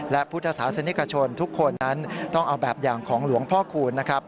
และพุทธศาสนิกชนทุกคนนั้นต้องเอาแบบอย่างของหลวงพ่อคูณนะครับ